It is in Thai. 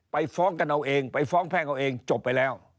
ฟ้องกันเอาเองไปฟ้องแพ่งเอาเองจบไปแล้ว